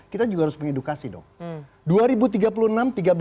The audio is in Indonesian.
kita juga harus mengedukasi dong